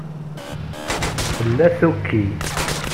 Tella tuki.